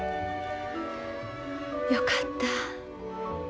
よかった。